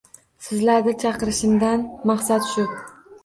Sizlardi chaqirishimdan maqsad shu